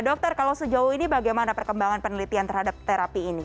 dokter kalau sejauh ini bagaimana perkembangan penelitian terhadap terapi ini